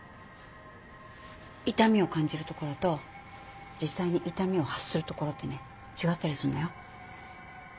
痛みを感じる所と実際に痛みを発する所ってね違ったりすんのよ。